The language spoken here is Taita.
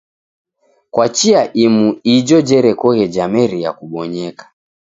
Kwa chia imu ijo jerekoghe jameria kubonyeka.